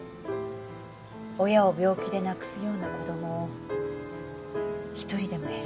親を病気で亡くすような子供を一人でも減らしたい。